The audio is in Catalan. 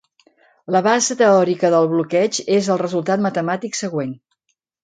La base teòrica del bloqueig és el resultat matemàtic següent.